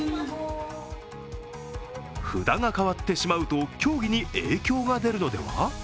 札が変わってしまうと、競技に影響が出るのでは？